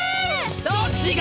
どっちが？